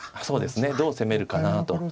そうですねどう攻めるかなと。